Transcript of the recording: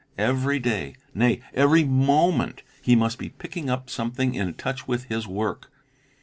very day, nay every moment, he must be picking up something in touch with his work.